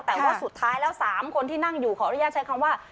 แต่ว่าสุดท้ายแล้ว๓คนที่นั่งอยู่ขออนุญาตใช้คำว่า